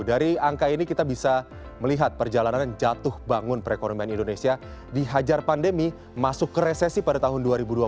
dari angka ini kita bisa melihat perjalanan jatuh bangun perekonomian indonesia dihajar pandemi masuk ke resesi pada tahun dua ribu dua puluh